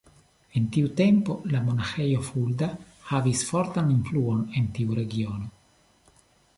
En tiu tempo la monaĥejo Fulda havis fortan influon en tiu regiono.